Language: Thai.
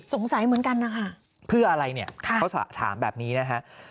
เหมือนกันนะคะเพื่ออะไรเนี่ยเขาถามแบบนี้นะฮะ